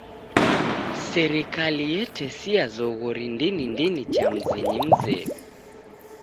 Serikali etesia zoghori ndini ndini cha mzinyi mzedu.